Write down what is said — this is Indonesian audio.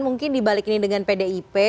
mungkin dibalikin dengan pdip